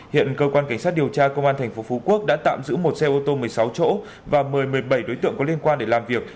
hiện cơ quan cảnh sát điều tra công an tp phú quốc đã tạm giữ một xe ô tô một mươi sáu chỗ và một mươi bảy đối tượng có liên quan để làm việc